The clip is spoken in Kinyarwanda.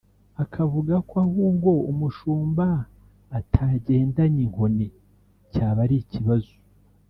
akavuga ko ahubwo umushumba atagendanye inkoni cyaba ari ikibazo